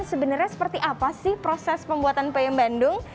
sebenarnya seperti apa sih proses pembuatan peyem bandung